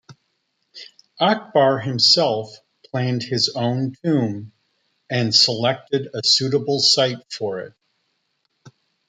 Akbar himself planned his own tomb and selected a suitable site for it.